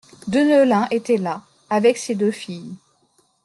Deneulin était là, avec ses deux filles.